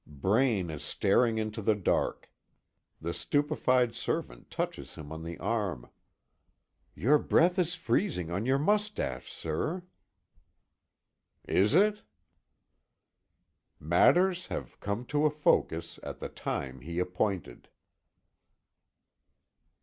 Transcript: Braine is staring into the dark. The stupefied servant touches him on the arm: "Your breath is freezing on your mustache, sir." "Is it?" Matters have 'come to a focus,' at the time he appointed.